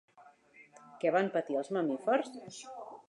Què van patir els mamífers?